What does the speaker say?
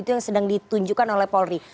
itu yang sedang ditunjukkan oleh polri